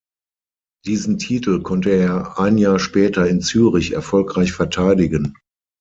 Diesen Titel konnte er ein Jahr später in Zürich erfolgreich verteidigen.